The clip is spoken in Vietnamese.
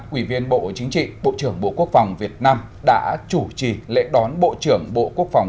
ủy viên bộ chính trị bộ trưởng bộ quốc phòng việt nam đã chủ trì lễ đón bộ trưởng bộ quốc phòng